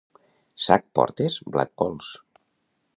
Sac portes? Blat vols.